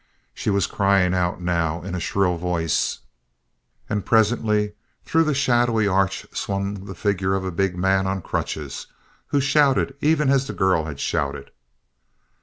She was crying out, now, in a shrill voice, and presently through the shadowy arch swung the figure of a big man on crutches, who shouted even as the girl had shouted.